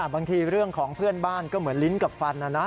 บางทีเรื่องของเพื่อนบ้านก็เหมือนลิ้นกับฟันนะนะ